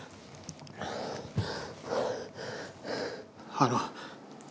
あの。